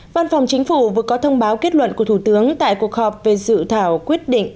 văn phòng chính phủ vừa có thông báo kết luận của thủ tướng tại cuộc họp về dự thảo quyết định